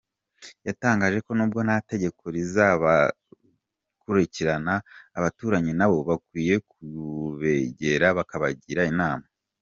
Yatangaje ko nubwo nta tegeko rizabakurikirana, abaturanyi nabo bakwiye kubegera bakabagira inama.